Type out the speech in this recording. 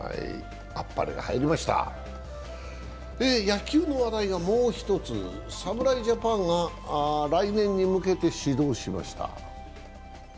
野球の話題がもう一つ、侍ジャパンが来年に向けて始動しました。